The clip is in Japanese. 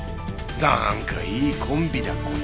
なんかいいコンビだこと。